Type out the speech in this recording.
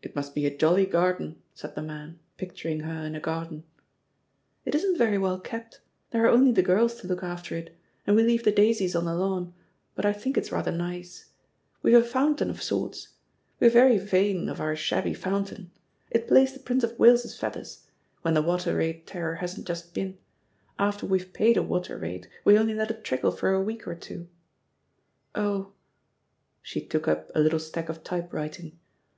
"It must be a jolly garden," said the man, pic turing her in a garden. "It isn't very well kept; there are only the girls to look after it, and we leave the daisies on the lawn, but I think it's rather nice. We've a f oun THE POSITION OF PEGGY HAKPER 229 tain, of sorts; we're very vain of our shabby fountain. It plays the Prince of Wales's feath ers — when the water rate terror hasn't just been; after weVe paid a water rate, we only let it trickle, for a week or two. ... Oh !" She took up a little stack of typewriting.